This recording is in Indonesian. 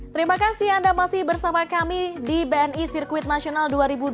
terima kasih anda masih bersama kami di bni sirkuit nasional dua ribu dua puluh